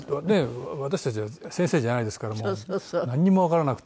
私たちは先生じゃないですからもうなんにもわからなくて。